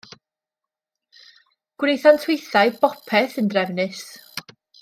Gwnaethant hwythau bopeth yn drefnus.